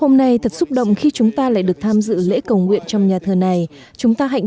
hôm nay thật xúc động khi chúng ta lại được tham dự lễ cầu nguyện trong nhà thờ này chúng ta hạnh